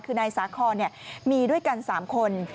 คือนายสาคอนมีด้วยกัน๓คน